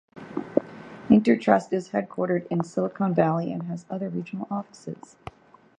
Intertrust is headquartered in Silicon Valley and has other regional offices.